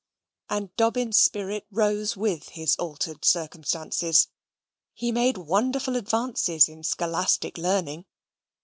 And Dobbin's spirit rose with his altered circumstances. He made wonderful advances in scholastic learning.